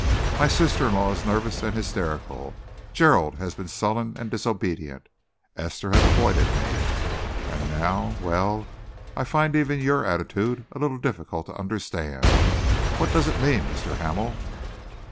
My sister in law is nervous and hysterical; Gerald has been sullen and disobedient; Esther has avoided me. And now well, I find even your attitude a little difficult to understand. What does it mean, Mr. Hamel?"